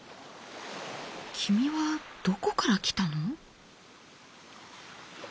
きみはどこから来たの？」。